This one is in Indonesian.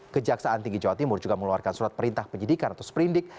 kejaksaan tinggi jawa timur juga mengeluarkan surat perintah penyidikan atau sprindik